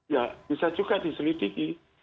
ya bisa juga diselidiki